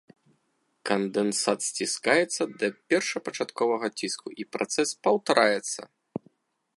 Кандэнсат сціскаецца да першапачатковага ціску і працэс паўтараецца.